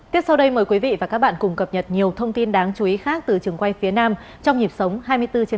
tiếp sau đây mời quý vị và các bạn cùng cập nhật nhiều thông tin đáng chú ý khác từ trường quay phía nam trong nhịp sống hai mươi bốn trên h